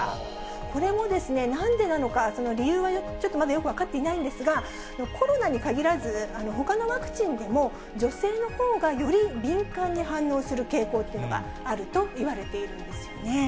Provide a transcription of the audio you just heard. これもですね、なんでなのか、その理由はちょっとまだよく分かっていないんですが、コロナにかぎらず、ほかのワクチンでも女性のほうがより敏感に反応する傾向というのがあるといわれているんですよね。